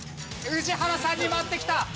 宇治原さんに回ってきた。